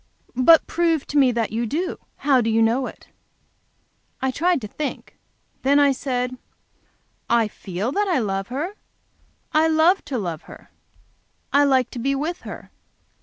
"But prove to me that you do. How do you know it?" I tried to think. Then I said, "I feel that I love her. I love to love her, I like to be with her.